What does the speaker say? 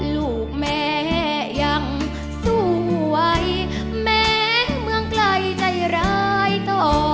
ลูกแม่ยังสู้ไว้แม้เมืองไกลใจร้ายต่อ